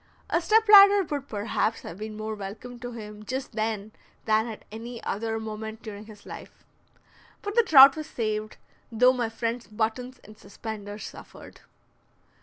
A step ladder would perhaps have been more welcome to him just then than at any other moment during his life. But the trout was saved, though my friend's buttons and suspenders suffered.